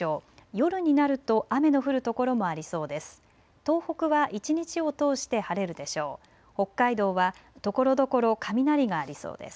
夜になると雨の降る所もありそうです。